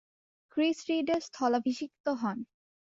Chris রিডের স্থলাভিষিক্ত হন।